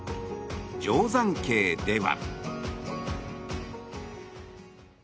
定山渓では。